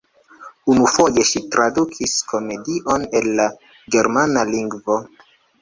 Unufoje ŝi tradukis komedion el la germana lingvo.